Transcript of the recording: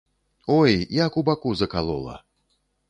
Ой, як у баку закалола.